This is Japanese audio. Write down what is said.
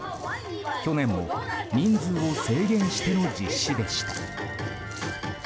去年も人数を制限しての実施でした。